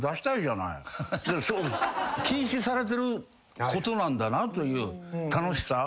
禁止されてることなんだなという楽しさ。